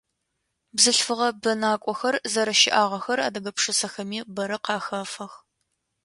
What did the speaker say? Бзылъфыгъэ бэнакӏохэр зэрэщыӏагъэхэр адыгэ пшысэхэми бэрэ къахэфэх.